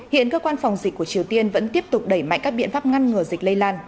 hiện cơ quan phòng dịch của triều tiên vẫn tiếp tục đẩy mạnh các biện pháp ngăn ngừa dịch lây lan